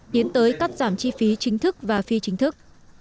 tiến tới cắt giảm chi phí chính thức và phi chính thức